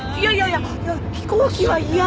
いや飛行機は嫌。